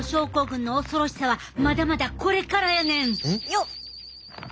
よっ！